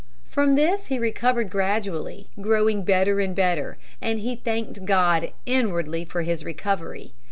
From this he recovered gradually, growing better and better, and he thanked God inwardly for his recovery.